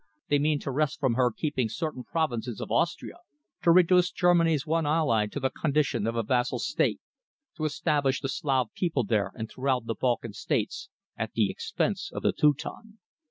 They mean to wrest from her keeping certain provinces of Austria, to reduce Germany's one ally to the condition of a vassal state, to establish the Slav people there and throughout the Balkan States, at the expense of the Teuton.